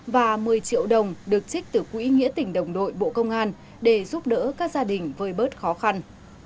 và một mươi triệu đồng được trích từ quỹ nghĩa tỉnh đồng đội bộ công an để giúp đỡ các gia đình vơi bớt khó khăn